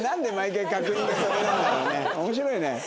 面白いね。